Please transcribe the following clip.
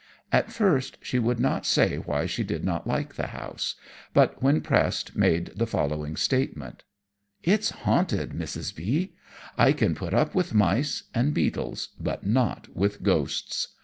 At first she would not say why she did not like the house, but when pressed made the following statement: "It's haunted, Mrs. B . I can put up with mice and beetles, but not with ghosts.